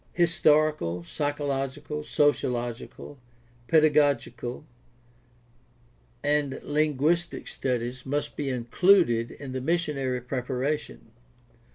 Historical, psychological, sociological, pedagogical, and lin guistic studies must be included in the missionary preparation.